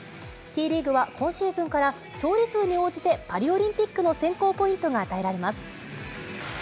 Ｔリーグは今シーズンから勝利数に応じてパリオリンピックの選考ポイントが与えられます。